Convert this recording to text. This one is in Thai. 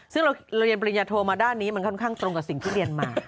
ซึ่งเราเรียนปริญญาโทมาด้านนี้มันค่อนข้างตรงกับสิ่งที่เรียนมา